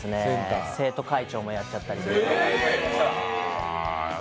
生徒会長もやっちゃったりとか。